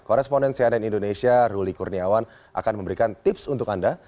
korespondensi ann indonesia ruli kurniawan akan memberikan tips untuk anda